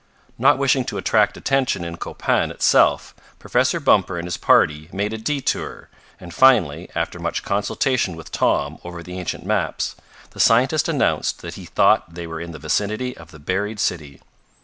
Not wishing to attract attention in Copan itself, Professor Bumper and his party made a detour, and finally, after much consultation with Tom over the ancient maps, the scientist announced that he thought they were in the vicinity of the buried city.